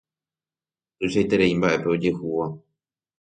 Tuichaiterei mbaʼe pe ojehúva.